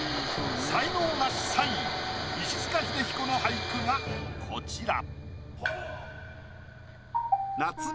才能ナシ３位石塚英彦の俳句がこちら。